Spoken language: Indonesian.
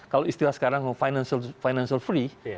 kalau istilah sekarang financial free